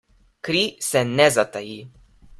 Kri se ne zataji.